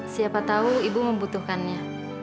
siapa tahu ibu membutuhkannya